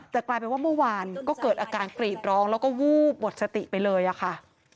แต่กลายเป็นว่าเมื่อวานก็เกิดอาการกรีดร้องแล้วก็วูบหมดสติไปเลยอะค่ะ